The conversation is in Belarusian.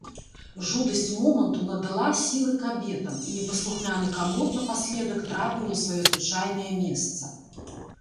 Жудасць моманту надала сілы кабетам, і непаслухмяны камод напаследак трапіў на сваё звычайнае месца.